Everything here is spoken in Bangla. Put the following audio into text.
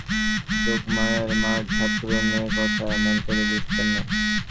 যোগমায়ার মা-ঠাকরুন এ কথা এমন করে বুঝতেন না।